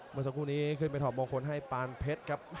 เมื่อสักครู่นี้ขึ้นไปถอดมงคลให้ปานเพชรครับ